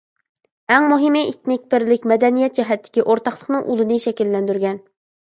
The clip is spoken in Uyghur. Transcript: ئەڭ مۇھىمى ئېتنىك بىرلىك مەدەنىيەت جەھەتتىكى ئورتاقلىقنىڭ ئۇلىنى شەكىللەندۈرگەن.